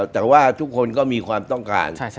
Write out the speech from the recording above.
แต่ว่าทุกคนก็มีความต้องการ